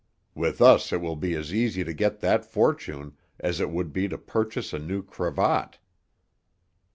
With us it will be as easy to get that fortune as it would be to purchase a new cravat."